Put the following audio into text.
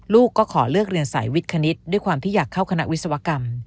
ลูกก็ขอเลือกเรียนสายวิทคณิตด้วยความที่อยากเข้าคณะวิศวกรรม